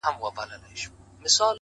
• یو سړی وو یو یې سپی وو یو یې خروو,